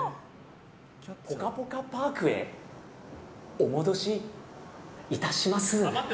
ぽかぽかパークへお戻しいたします。